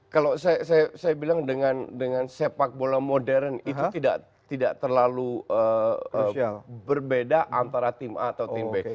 kalau saya bilang dengan sepak bola modern itu tidak terlalu berbeda antara tim a atau tim b